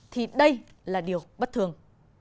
thì đây là điều bất thường